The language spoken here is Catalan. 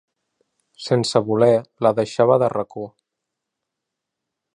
Sense voler, la deixava de racó.